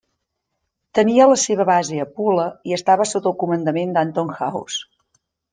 Tenia la seva base a Pula i estava sota el comandament d'Anton Haus.